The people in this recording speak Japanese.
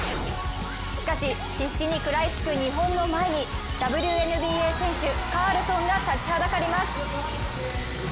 しかし、必死に食らいつく日本の前にＷＮＢＡ選手、カールトンが立ちはだかります。